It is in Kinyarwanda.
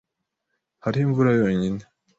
Hariho imvura yonyine.